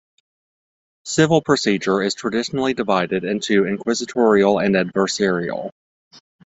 Civil procedure is traditionally divided into inquisitorial and adversarial.